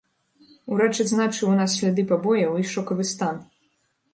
Урач адзначыў ў нас сляды пабояў і шокавы стан.